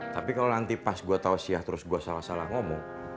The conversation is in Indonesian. tapi kalau nanti pas gue tausiah terus gue salah salah ngomong